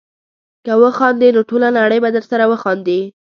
که وخاندې نو ټوله نړۍ به درسره وخاندي.